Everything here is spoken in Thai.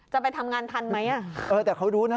จะไปทำงานทันไหมอ่ะเออแต่เขารู้นะ